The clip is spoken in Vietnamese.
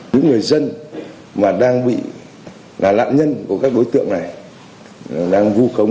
những người dân mà đang bị là lãn nhân của các đối tượng này đang vô khống